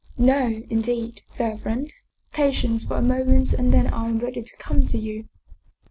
" No, indeed, fair friend. Patience for a moment and then I am ready to come to you."